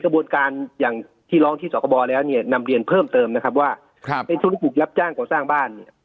กระบวนการอย่างที่ร้องที่สกบแล้วเนี่ยนำเรียนเพิ่มเติมนะครับว่าครับในธุรกิจบุกรับจ้างก่อสร้างบ้านเนี่ย